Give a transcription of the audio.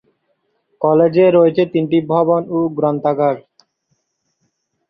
কলেজে রয়েছে তিনটি ভবন ও গ্রন্থাগার।